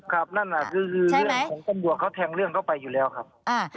ครับนั่นน่ะคือเรื่องของตำรวจเขาแทงเรื่องเขาไปอยู่แล้วครับ